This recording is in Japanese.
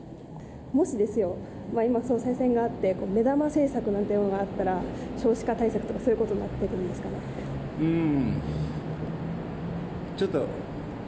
もしですよ、今、総裁選があって、目玉政策なんていうものがあったら、少子化対策、そういうことにうーん、やさしいマーン！！